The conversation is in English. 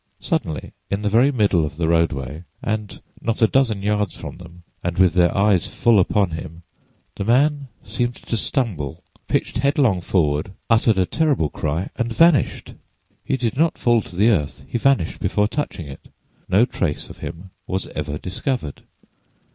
Suddenly—in the very middle of the roadway, not a dozen yards from them, and with their eyes full upon him—the man seemed to stumble, pitched headlong forward, uttered a terrible cry and vanished! He did not fall to the earth—he vanished before touching it. No trace of him was ever discovered.